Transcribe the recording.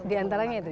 di antaranya itu